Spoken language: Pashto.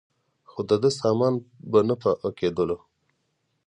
خو دده سامان به نه پاکېدلو.